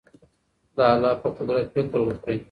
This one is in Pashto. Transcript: د الله په قدرت فکر وکړئ.